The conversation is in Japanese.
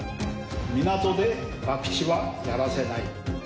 港でばくちはやらせない！